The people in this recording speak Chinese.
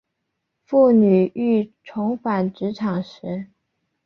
妇女欲重返职场时